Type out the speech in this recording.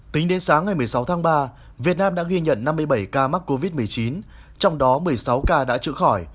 tính đến sáng ngày một mươi sáu tháng ba việt nam đã ghi nhận năm mươi bảy ca mắc covid một mươi chín trong đó một mươi sáu ca đã trữ khỏi